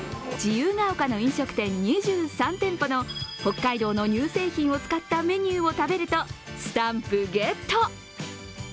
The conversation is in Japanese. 自由が丘の飲食店２３店舗の北海道の乳製品を使ったメニューを食べるとスタンプゲット。